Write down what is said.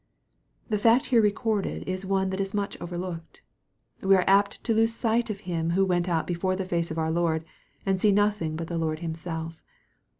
The fact here recorded is one that is much overlooked. We are apt to lose sight of him who went before the face of our Lord, and to see nothing but the Lord Him self.